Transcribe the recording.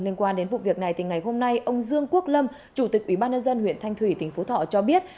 liên quan đến vụ việc này thì ngày hôm nay ông dương quốc lâm chủ tịch ubnd huyện thanh thủy tp thọ cho biết